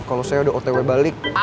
kalau saya udah otw balik